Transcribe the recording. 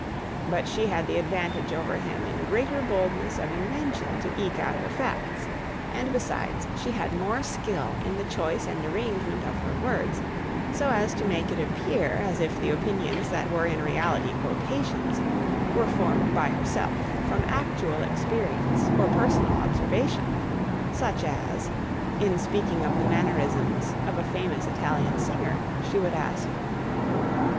But she had the advantage over him in greater boldness of invention to eke out her facts; and besides she had more skill in the choice and arrangement of her words, so as to make it appear as if the opinions that were in reality quotations, were formed by herself from actual experience or personal observation; such as, in speaking of the mannerisms of a famous Italian singer, she would ask, [Illustration: SHAKSPEARE AND THE MUSICAL GLASSES.